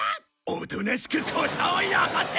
おとなしくこしょうをよこせ！